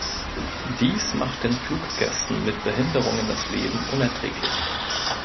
Dies macht den Fluggästen mit Behinderungen das Leben unerträglich.